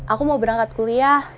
aku mau berangkat kuliah